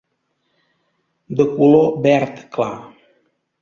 De color verd clar.